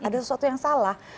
ada sesuatu yang salah